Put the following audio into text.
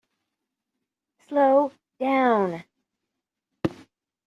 Slow down!